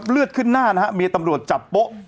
เลือดขึ้นหน้านะฮะเมียตำรวจจับโป๊ะ